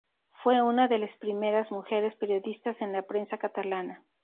Fue una de les primeras mujeres periodistas en la prensa catalana.